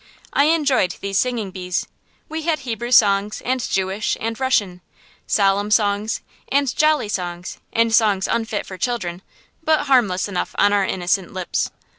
I enjoyed these singing bees. We had Hebrew songs and Jewish and Russian; solemn songs, and jolly songs, and songs unfit for children, but harmless enough on our innocent lips.